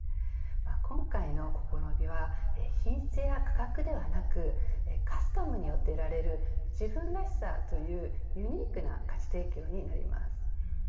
今回の試みは品質や価格ではなくカスタムによって得られる自分らしさというユニークな価値提供になります。